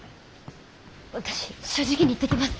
私正直に言ってきます！